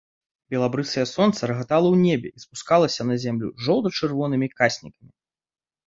Белабрысае сонца рагатала ў небе і спускалася на зямлю жоўта-чырвонымі каснікамі.